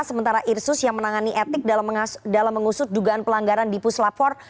sementara irsus yang menangani etik dalam mengusut dugaan pelanggaran di puslapor